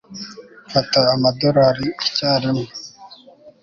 Mfata amadorari icyarimwe